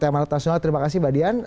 mbak dian terima kasih